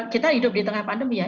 kita hidup di tengah pandemi ya